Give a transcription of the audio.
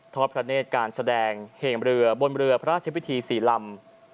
อดพระเนธการแสดงเห่งเรือบนเรือพระราชพิธี๔ลำ